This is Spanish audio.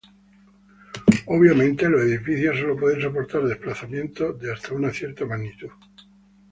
Obviamente, los edificios solo pueden soportar desplazamientos de hasta una cierta magnitud.